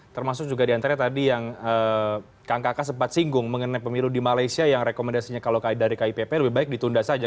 termasuk juga diantara tadi yang kang kakak sempat singgung mengenai pemilu di malaysia yang rekomendasinya kalau dari kipp lebih baik ditunda saja